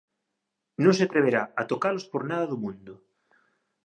Non se atreverá a tocalos por nada do mundo!